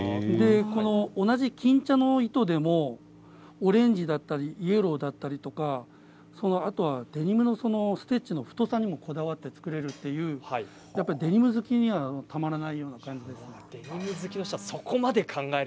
同じ金茶色の糸でもオレンジだったりイエローだったりデニムのステッチの太さにもこだわって作るというデニム好きにはたまらない感じですね。